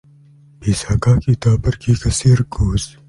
Bisakah kita pergi ke sirkus?